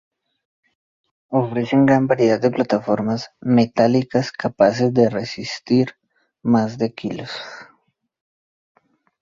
Ofrecen gran variedad de plataformas metálicas, capaces de resistir más de kilos.